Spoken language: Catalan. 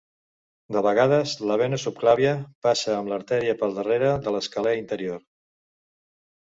De vegades la vena subclàvia passa amb l'artèria per darrere de l'escalè interior.